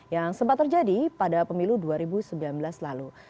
yang sempat terjadi pada pemilu dua ribu sembilan belas lalu